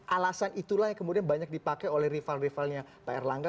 alasan itulah yang kemudian banyak dipakai oleh rival rivalnya pak erlangga